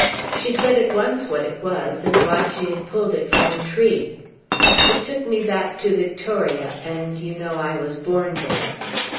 She said at once what it was, and why she had pulled it from the tree. "It took me back to Victoria; and, you know, I was born there."